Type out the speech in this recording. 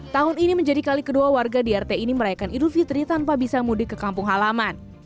tahun ini menjadi kali kedua warga di rt ini merayakan idul fitri tanpa bisa mudik ke kampung halaman